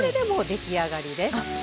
出来上がりです。